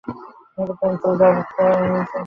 রাশেদুল করিম চলে যাবার পর নিসার আলি ফাইল খুললেন।